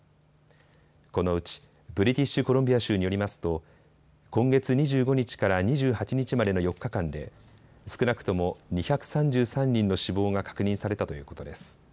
このうちブリティッシュ・コロンビア州によりますと今月２５日から２８日までの４日間で少なくとも２３３人の死亡が確認されたということです。